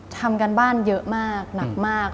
ทำการบ้านเยอะมากหนักมาก